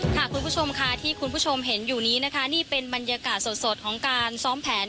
คุณผู้ชมค่ะที่คุณผู้ชมเห็นอยู่นี้นะคะนี่เป็นบรรยากาศสดของการซ้อมแผน